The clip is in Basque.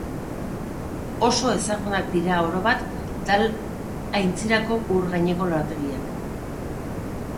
Oso ezagunak dira orobat Dal aintzirako ur gaineko lorategiak.